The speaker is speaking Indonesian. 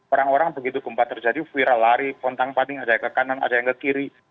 orang orang begitu gempa terjadi viral lari pontang panting ada yang ke kanan ada yang ke kiri